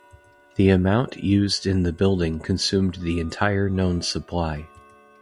The amount used in the building consumed the entire known supply.